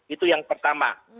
itu yang pertama